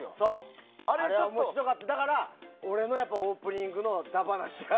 あれが面白かったから俺のオープニングの駄話が。